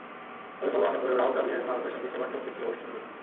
তবে ফলোঅনে পড়েও রাহুল দ্রাবিড়ের ভারতের সঙ্গে সেবার ড্র করেছিল ওয়েস্ট ইন্ডিজ।